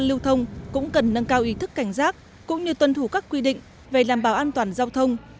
giao thông cũng cần nâng cao ý thức cảnh giác cũng như tuân thủ các quy định về làm bảo an toàn giao thông